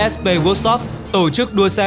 sp workshop tổ chức đua xe